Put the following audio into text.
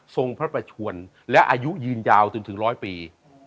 พระประชวนและอายุยืนยาวจนถึงร้อยปี